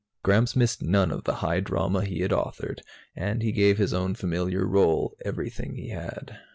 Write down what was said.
Gramps missed none of the high drama he had authored and he gave his own familiar role everything he had.